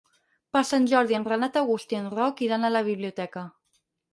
Per Sant Jordi en Renat August i en Roc iran a la biblioteca.